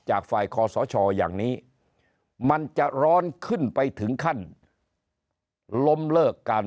จากฝ่ายคอสชอย่างนี้มันจะร้อนขึ้นไปถึงขั้นล้มเลิกการ